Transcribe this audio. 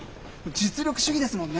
実力主義ですもんね。